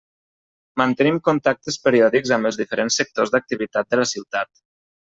Mantenim contactes periòdics amb els diferents sectors d'activitat de la ciutat.